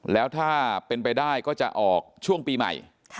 แล้วถ้าเป็นไปได้ก็จะออกช่วงปีใหม่